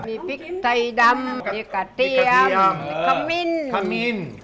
มีพริกไทยดำมีกระเทียมมีกะมิน